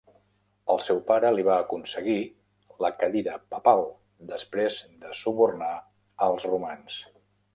El seu pare li va aconseguir la cadira Papal després de subornar els romans.